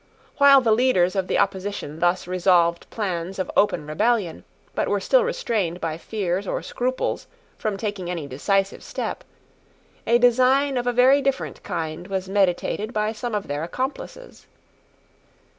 While the leaders of the opposition thus revolved plans of open rebellion, but were still restrained by fears or scruples from taking any decisive step, a design of a very different kind was meditated by some of their accomplices.